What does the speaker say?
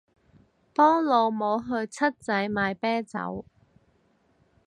幫老母去七仔買啤酒